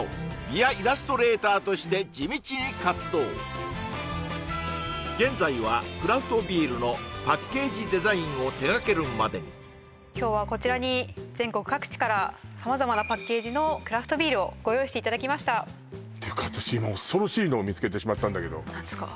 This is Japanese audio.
ビアイラストレーターとして地道に活動現在はクラフトビールのパッケージデザインを手がけるまでに今日はこちらに全国各地から様々なパッケージのクラフトビールをご用意していただきましたていうか私今恐ろしいのを見つけてしまったんだけど何ですか？